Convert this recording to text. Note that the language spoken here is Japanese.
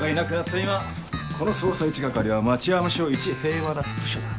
今この捜査一係は町山署いち平和な部署だ。